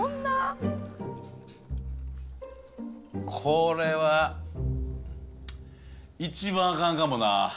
これは、一番あかんかもな。